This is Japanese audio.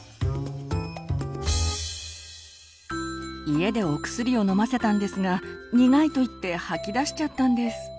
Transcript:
家でお薬を飲ませたんですが「苦い」と言って吐き出しちゃったんです。